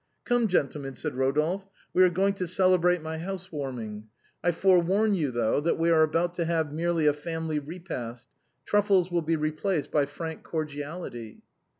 " Come, gentlemen," said Rodolphe, " we are going to celebrate my house warming. I forewarn you, though, that we are about to have merely a family repast; truffles will 1(6 replaced by frank cordiality."